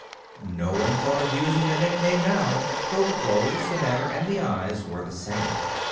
No one thought of using the nickname now, though the clothes, the manner, and the eyes were the same.